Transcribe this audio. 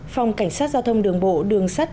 phòng cảnh sát giao thông đường bộ đường sắt